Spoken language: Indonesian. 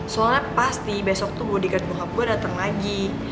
soalnya pasti besok tuh bodega tuhan gue datang lagi